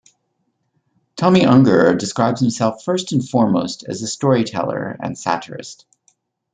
Tomi Ungerer describes himself first and foremost as a story teller and satirist.